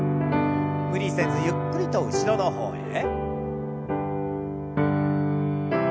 無理せずゆっくりと後ろの方へ。